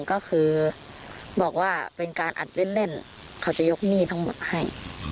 ก็คืออัดเล่นเข้าจะยกหนี้ให้